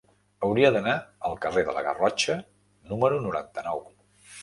Hauria d'anar al carrer de la Garrotxa número noranta-nou.